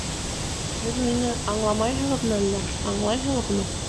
Һеҙ мине аңламайһығыҙмы әллә? Аңлайһығыҙмы?